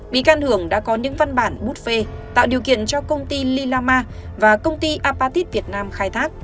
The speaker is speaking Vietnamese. bị can hưởng đã có những văn bản bút phê tạo điều kiện cho công ty lilama và công ty apatit việt nam khai thác